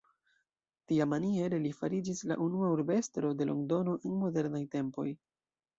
Tiamaniere li fariĝis la unua urbestro de Londono en modernaj tempoj.